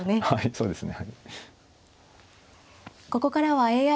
そうですね。